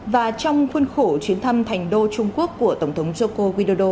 và trong khuôn khổ chuyến thăm thành đô trung quốc của tổng thống joko widodo